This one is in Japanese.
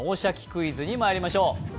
クイズ」にまいりましょう。